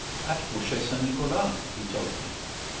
At Bouchet St. Nicholas, he told me.